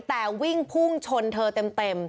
แต่วิ่งพุ่งชนเธอเต็ม